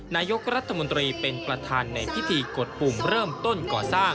นายกรัฐมนตรีเป็นประธานในพิธีกดปุ่มเริ่มต้นก่อสร้าง